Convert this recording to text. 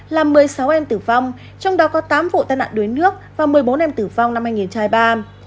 làm một mươi sáu em tử vong trong đó có tám vụ tai nạn đuối nước và một mươi bốn em tử vong năm hai nghìn hai mươi ba